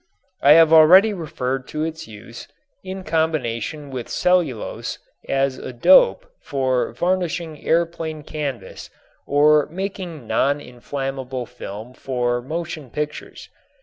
I have already referred to its use in combination with cellulose as a "dope" for varnishing airplane canvas or making non inflammable film for motion pictures.